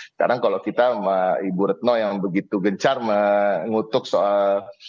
sekarang kalau kita ibu retno yang begitu gencar mengutuk soal